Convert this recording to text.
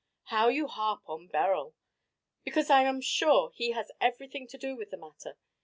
"How you harp on Beryl." "Because I am sure he has everything to do with the matter.